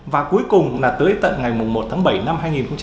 và cuối cùng là tới tận ngày một tháng bảy năm hai nghìn hai mươi